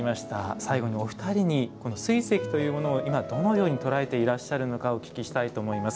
最後にお二人に水石というものをどのように捉えていらっしゃるのかお聞きしたいと思います。